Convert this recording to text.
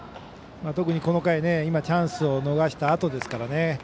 特に、この回チャンスを逃したあとですからね。